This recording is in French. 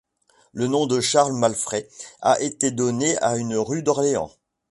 Le nom de Charles Malfray a été donné à une rue d'Orléans.